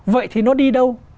vậy thì nó đi đâu